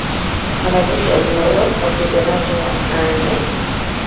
Wanajeshi waliwaua wapiganaji nane